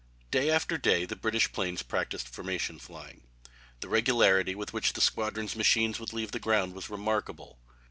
Day after day the British planes practised formation flying. The regularity with which the squadron's machines would leave the ground was remarkable.